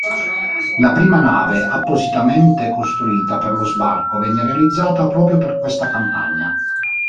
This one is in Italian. La prima nave appositamente costruita per lo sbarco venne realizzata proprio per questa campagna.